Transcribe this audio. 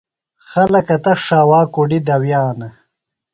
خلکہ تس ݜاوا کُڈ دوِیانہ۔